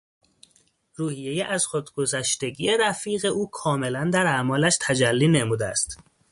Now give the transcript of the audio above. روحیهٔ از خود گذشتگی رفیق او کاملاً در اعمالش تجلی نموده است.